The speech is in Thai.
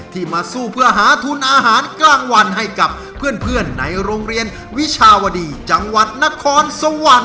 มาสู้เพื่อหาทุนอาหารกลางวันให้กับเพื่อนในโรงเรียนวิชาวดีจังหวัดนครสวรรค์